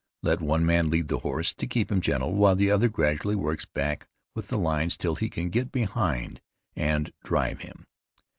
Let one man lead the horse to keep him gentle, while the other gradually works back with the lines till he can get behind and drive him.